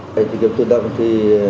cái trực tiếp tự động thì